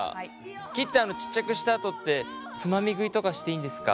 切ってちっちゃくしたあとってつまみ食いとかしていいんですか？